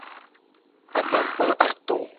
Amakpa ato.